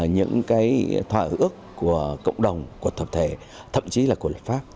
những cái thỏa ước của cộng đồng của thập thể thậm chí là của luật pháp